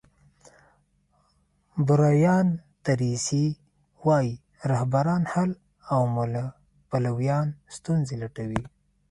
برایان تریسي وایي رهبران حل او پلویان ستونزې لټوي.